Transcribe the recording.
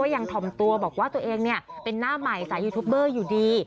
ยังถ่อมตัวบอกว่าตัวเองเป็นหน้าใหม่สายยูทูปเบอร์อยู่ดี